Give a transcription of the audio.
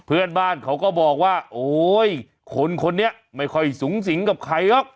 เพื่อนบ้านเขาก็บอกว่าโอ๊ยคนคนนี้ไม่ค่อยสูงสิงกับใครหรอก